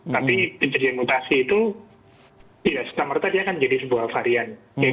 tapi penjajian mutasi itu tidak setamata dia akan menjadi sebuah varian